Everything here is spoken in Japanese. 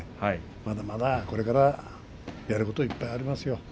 まだまだこれからやることいっぱいありますよ。